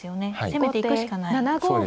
攻めていくしかない。